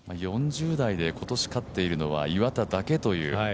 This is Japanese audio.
４０代で今年勝っているのは岩田だけという。